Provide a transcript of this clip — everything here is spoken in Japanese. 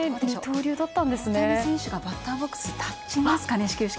大谷選手が始球式でバッターボックスに立ちますかね。